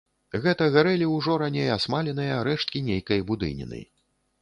Гэта гарэлі ўжо раней асмаленыя рэшткі нейкай будыніны.